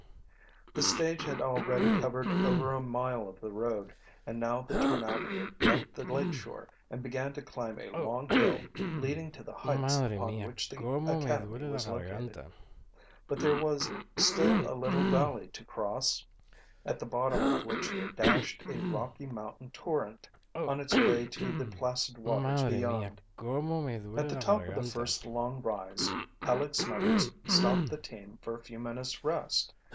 The stage had already covered over a mile of the road, and now the turnout left the lake shore and began to climb a long hill leading to the heights upon which the academy was located. But there was still a little valley to cross, at the bottom of which dashed a rocky mountain torrent on its way to the placid waters beyond. At the top of the first long rise Peleg Snuggers stopped the team for a few minutes' rest.